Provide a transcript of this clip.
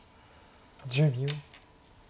１０秒。